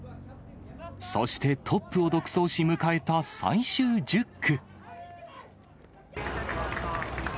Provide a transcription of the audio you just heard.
そして、トップを独走し、迎えた最終１０区。